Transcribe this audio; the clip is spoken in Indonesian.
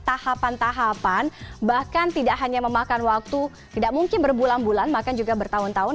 mereka harus melalui sejumlah tahapan tahapan bahkan tidak hanya memakan waktu tidak mungkin berbulan bulan bahkan juga bertahun tahun